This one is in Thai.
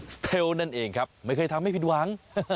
สเทลนั่นเองครับไม่เคยทำให้ผิดหวัง